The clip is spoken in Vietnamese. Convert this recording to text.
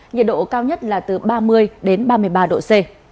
nhiệt độ cao nhất là từ ba mươi đến ba mươi ba độ c